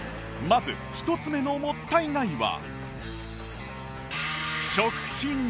まず１つ目のもったいないは